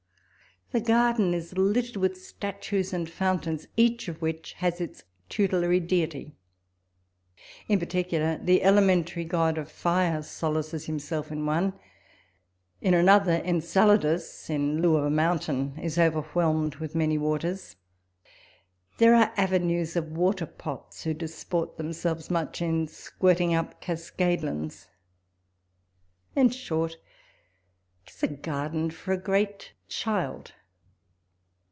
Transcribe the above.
The garden is littered with statues and fountains, each of which has its tutelary deity. In parti cular, the elementary god of fire solaces himself in one. In another, Enceladus, in lieu of a mountain, is overwhelmed with many waters. There are avenues of water pots, who disport themselves much in squirting up cascadelins. In short, 'tis a garden for a great child.